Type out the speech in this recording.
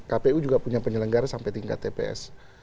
kpu juga punya penyelenggara sampai tingkat tps